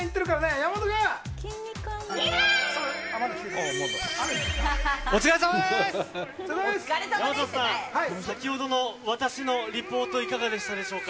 山里さん先ほどの私のリポートいかがでしたでしょうか。